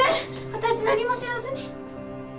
私何も知らずに。